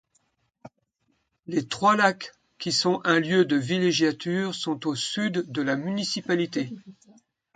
Les Trois-Lacs qui sont un lieu de villégiature sont au sud de la municipalité.